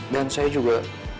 dan saya juga